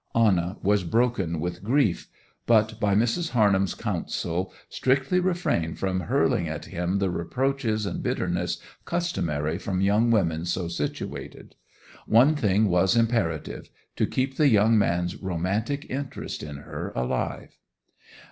Anna was broken with grief; but by Mrs. Harnham's counsel strictly refrained from hurling at him the reproaches and bitterness customary from young women so situated. One thing was imperative: to keep the young man's romantic interest in her alive.